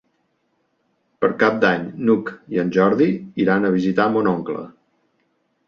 Per Cap d'Any n'Hug i en Jordi iran a visitar mon oncle.